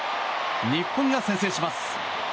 日本が先制します！